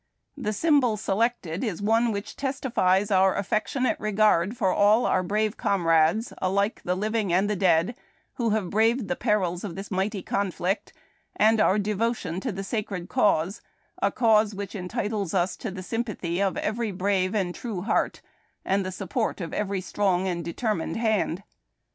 The symbol selected is one which testifies our affectionate regard for all our brave comrades — alike the living and the dead — who have braved the perils of the mighty conflict, and our devotion to the sacred cause — a cause which entitles us to the sympathy of every brave and true heart and the support of every strong and determined hand.